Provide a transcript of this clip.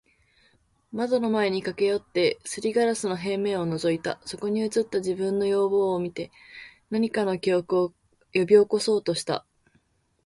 ……窓の前に駈け寄って、磨硝子の平面を覗いた。そこに映った自分の容貌を見て、何かの記憶を喚び起そうとした。